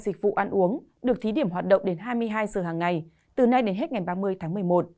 dịch vụ ăn uống được thí điểm hoạt động đến hai mươi hai giờ hàng ngày từ nay đến hết ngày ba mươi tháng một mươi một